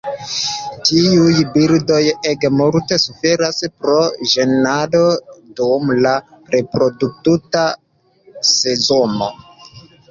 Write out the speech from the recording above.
Tiuj birdoj ege multe suferas pro ĝenado dum la reprodukta sezono.